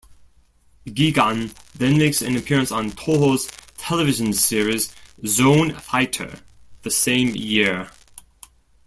Gigan then makes an appearance on Toho's television series "Zone Fighter" the same year.